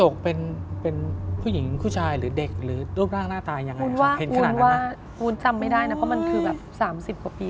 ก็เดินย้อนกลับมาอีกที